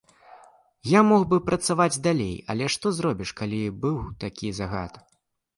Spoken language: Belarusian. Я мог бы працаваць далей, але што зробіш, калі быў такі загад.